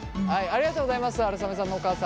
ありがとうございます。